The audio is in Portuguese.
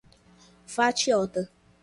Fatiota